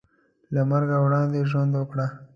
له مرګه وړاندې ژوند وکړه .